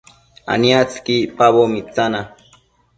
aniactsëqui icpaboc mitsana